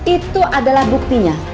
itu adalah buktinya